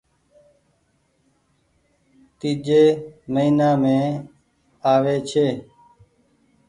تيجي مهينا مينٚ آوي ڇي